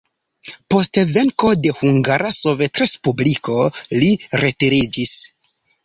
Post venko de Hungara Sovetrespubliko li retiriĝis.